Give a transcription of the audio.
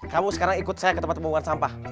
kamu sekarang ikut saya ke tempat pembuangan sampah